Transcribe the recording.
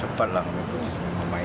ya kita nggak mau ngeremeh juga